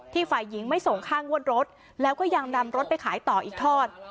ฝ่ายหญิงไม่ส่งค่างวดรถแล้วก็ยังนำรถไปขายต่ออีกทอด